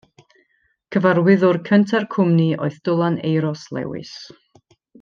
Cyfarwyddwr cynta'r cwmni oedd Dylan Euros Lewis.